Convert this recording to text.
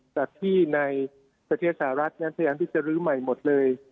จากที่ในประเทศสหรัฐนั้นพยายามที่จะลื้อใหม่หมดเลย